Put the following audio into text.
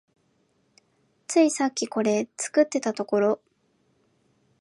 ついさっきこれ作ってたところ